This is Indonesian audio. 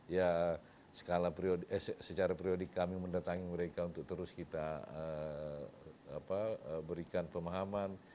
ya secara periodik kami mendatangi mereka untuk terus kita berikan pemahaman